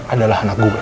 adalah anak gue